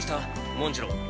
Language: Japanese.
文次郎。